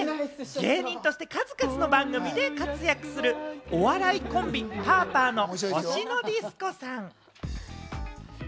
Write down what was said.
芸人として数々の番組で活躍するお笑いコンビ・パーパーのほしのディスコさん。